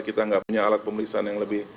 kita nggak punya alat pemeriksaan yang lebih